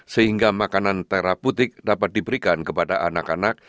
sehingga makanan teraputik dapat diberikan kepada anak anak